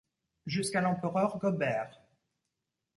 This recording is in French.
Jusqu’à l’empereur Gobert.